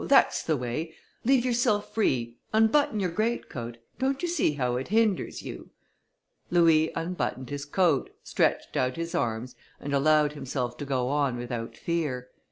that's the way; leave yourself free, unbutton your great coat, don't you see how it hinders you?" Louis unbuttoned his coat, stretched out his arms, and allowed himself to go on without fear.